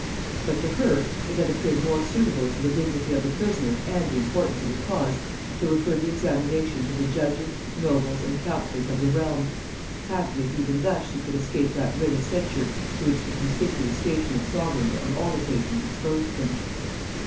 But to her it had appeared more suitable to the dignity of the prisoner and the importance of the cause to refer the examination to the judges, nobles, and counsellors of the realm; happy if even thus she could escape that ready censure to which the conspicuous station of sovereigns on all occasions exposed them.